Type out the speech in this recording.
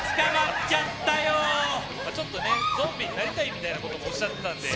ちょっとゾンビになりたいみたいなこともおっしゃっていたので。